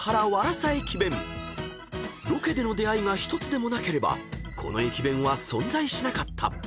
［ロケでの出会いが１つでもなければこの駅弁は存在しなかった］